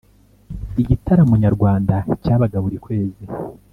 igitaramo nyarwanda cyabaga buri kwezi.